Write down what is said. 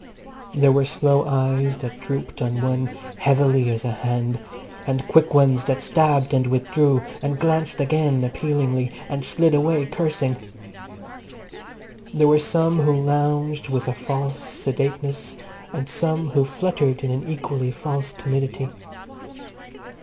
There were slow eyes that drooped on one heavily as a hand, and quick ones that stabbed and withdrew, and glanced again appealingly, and slid away cursing. There were some who lounged with a false sedateness, and some who fluttered in an equally false timidity.